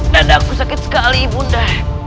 dada aku sakit sekali ibu nda